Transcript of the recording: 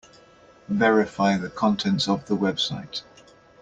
Verify the contents of the website.